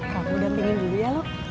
kamu dantingin dulu ya lo